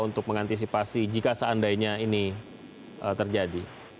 untuk mengantisipasi jika seandainya ini terjadi